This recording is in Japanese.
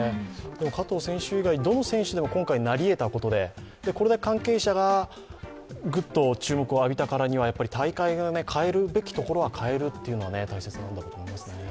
加藤選手以外どの選手でも今回、なり得たことでこれで関係者がぐっと注目を浴びたからにはやっぱり大会側が変えるべきところは変えるところが大切じゃないかと思います。